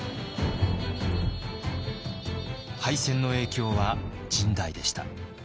敗戦の影響は甚大でした。